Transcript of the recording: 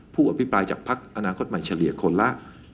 ผู้อภิปรายจากพักอนาคตใหม่เฉลี่ยคนละ